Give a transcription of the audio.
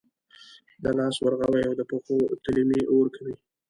د لاسو ورغوي او د پښو تلې مې اور کوي